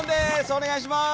お願いします。